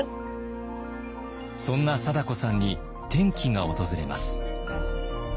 そんな貞子さんに転機が訪れます。